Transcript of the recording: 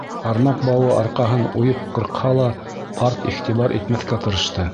Ҡармаҡ бауы арҡаһын уйып ҡырҡһа ла, ҡарт иғтибар итмәҫкә тырышты.